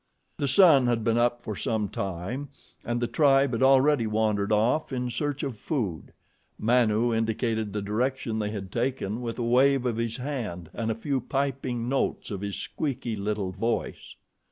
The sun had been up for some time, and the tribe had already wandered off in search of food. Manu indicated the direction they had taken with a wave of his hand and a few piping notes of his squeaky little voice.